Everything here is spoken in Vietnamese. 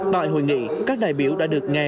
tại hội nghị các đại biểu đã được nghe